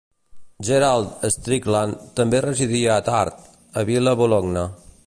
Gerald Strickland també residia Attard, a Villa Bologna.